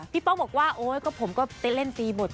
พี่ป้องบอกว่าโอ๊ยก็ผมก็ติดเล่นตีบท